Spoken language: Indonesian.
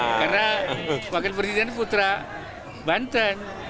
karena wakil presiden putra banten